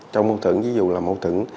trong mâu thửng ví dụ là mâu thửng